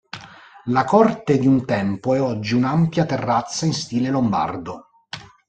La corte di un tempo è oggi un'ampia terrazza in stile lombardo.